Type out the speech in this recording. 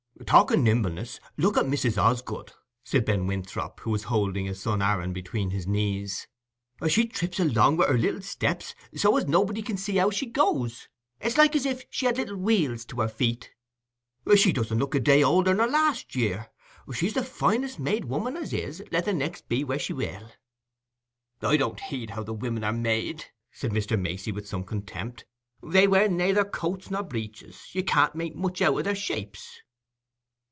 "Talk o' nimbleness, look at Mrs. Osgood," said Ben Winthrop, who was holding his son Aaron between his knees. "She trips along with her little steps, so as nobody can see how she goes—it's like as if she had little wheels to her feet. She doesn't look a day older nor last year: she's the finest made woman as is, let the next be where she will." "I don't heed how the women are made," said Mr. Macey, with some contempt. "They wear nayther coat nor breeches: you can't make much out o' their shapes."